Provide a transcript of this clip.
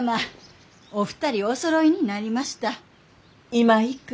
今行く。